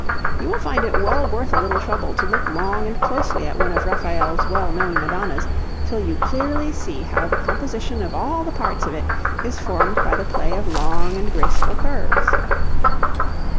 You will find it well worth a little trouble to look long and closely at one of Raphael's well known Madonnas till you clearly see how the composition of all the parts of it is formed by the play of long and graceful curves.